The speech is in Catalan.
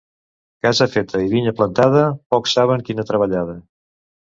Casa feta i vinya plantada, pocs saben quina treballada.